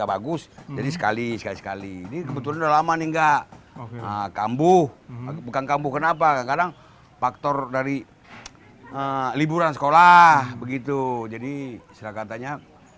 bagaimana dengan keadaan sekolah biasanya